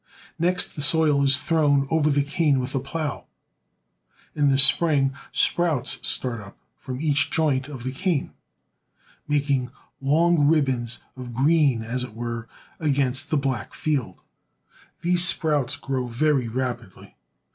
Next the soil is thrown over the cane with a plow. In the spring sprouts start up from each joint of the cane, making long ribbons of green, as it were, against the black field. These sprouts grow very rapidly.